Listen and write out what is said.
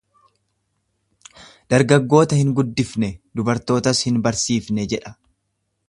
Dargaggoota hin guddifne, durbootas hin barsiifne jedha.